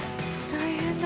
大変だ。